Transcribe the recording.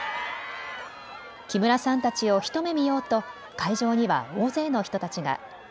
木村さんたちを一目見ようと会場には大勢の人たちが。